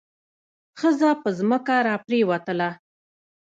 ښځه په ځمکه را پریوتله.